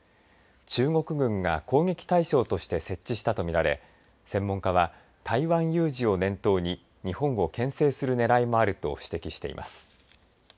中国軍が攻撃対象として設置したとみられ専門家は、台湾有事を念頭に日本をけん制するねらいもあると指摘しています。